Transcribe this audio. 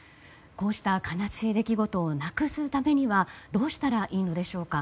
こうした悲しい出来事をなくすためにはどうしたらいいのでしょうか。